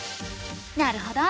なるほど。